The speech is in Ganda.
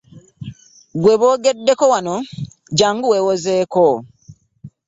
Gwe boogeddeko wano jangu weewozeeko.